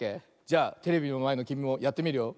じゃあテレビのまえのきみもやってみるよ。